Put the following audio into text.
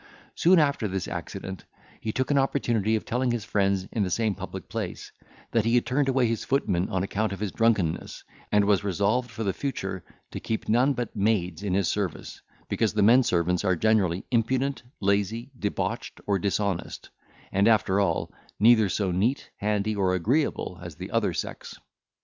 Soon after this accident, he took an opportunity of telling his friends, in the same public place, that he had turned away his footman on account of his drunkenness, and was resolved, for the future, to keep none but maids in his service, because the menservants are generally impudent, lazy, debauched, or dishonest; and after all, neither so neat, handy, or agreeable as the other sex.